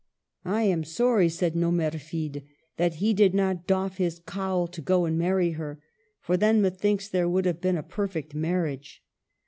" I am sorry," said Nomerfide, " that he did not doff his cowl to go and marry her ; for then, methinks, there would have been a perfect marriage."